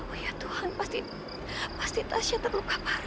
oh ya tuhan pasti tasyah terluka parah